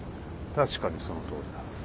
確かにそのとおりだ。